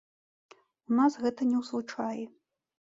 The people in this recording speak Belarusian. У нас гэта не ў звычаі.